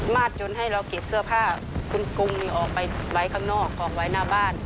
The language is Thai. ดจนให้เราเก็บเสื้อผ้าคุณกุ้งนี่ออกไปไว้ข้างนอกออกไว้หน้าบ้าน